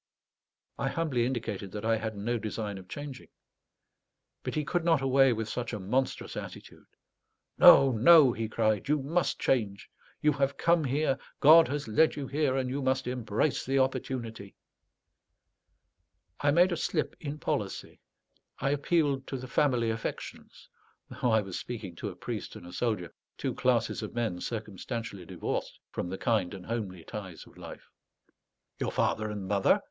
I humbly indicated that I had no design of changing. But he could not away with such a monstrous attitude. "No, no," he cried; "you must change. You have come here, God has led you here, and you must embrace the opportunity." I made a slip in policy; I appealed to the family affections, though I was speaking to a priest and a soldier, two classes of men circumstantially divorced from the kind and homely ties of life. "Your father and mother?"